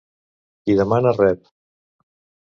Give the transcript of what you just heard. Qui demana rep.